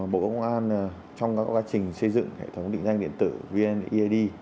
bộ công an trong các quá trình xây dựng hệ thống định danh địa tử vned